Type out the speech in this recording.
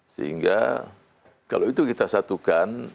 sehingga kalau itu kita satukan